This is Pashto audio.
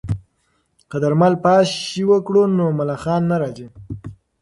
که درمل پاشي وکړو نو ملخان نه راځي.